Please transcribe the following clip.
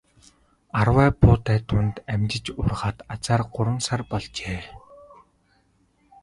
Арвай буудай дунд амжиж ургаад азаар гурван сар болжээ.